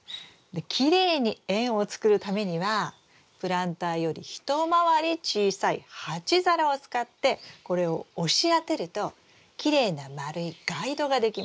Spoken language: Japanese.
きれいに円を作るためにはプランターより一回り小さい鉢皿を使ってこれを押し当てるときれいな丸いガイドができます。